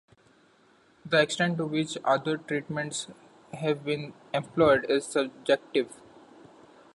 The extent to which other treatments have been employed is subjective.